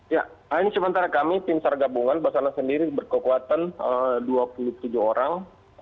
ya ini sementara kami tim sargabungan basana sendiri berkekuatan dua puluh tujuh orang